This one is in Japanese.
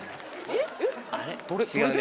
えっ？